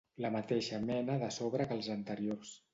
La mateixa mena de sobre que els anteriors.